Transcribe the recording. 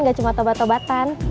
gak cuma tobat tobatan